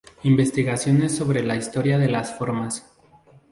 Investigaciones sobre la historia de las formas".